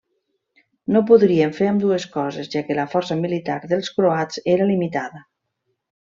No podrien fer ambdues coses, ja que la força militar dels croats era limitada.